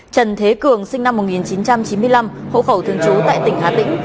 trần thế cường sinh năm một nghìn chín trăm chín mươi năm hộ khẩu thường trú tại tỉnh hà tĩnh